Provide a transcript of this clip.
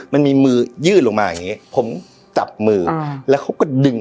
มันมีมือยื่นลงมาอย่างนี้ผมจับมือแล้วเขาก็ดึง